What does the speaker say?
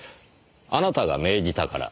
あなたが命じたから。